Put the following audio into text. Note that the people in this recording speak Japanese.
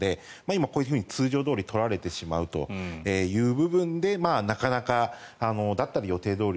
今、こういうふうに通常どおりに取られてしまうという部分でなかなか、